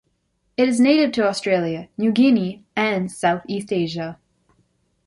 It is native to Australia, New Guinea, and Southeast Asia.